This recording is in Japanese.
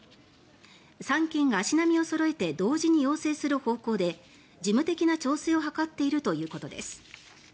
３県が足並みをそろえて同時に要請する方向で事務的な調整を図っているということです。